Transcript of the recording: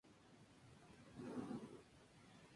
Es muy buen amigo de Sonya Mitchell.